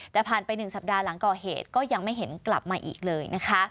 แต่ผ่านไป๑สัปดาห์หลังก่อเหตุก็ยังไม่เห็นกลับมาอีกเลยนะคะ